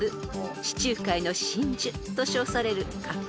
［地中海の真珠と称される］